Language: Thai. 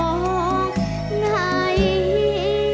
จงข่งทอม